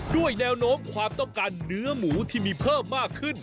ด้วยแนวโน้มความต้องการเนื้อหมูที่มีเพิ่มมากขึ้น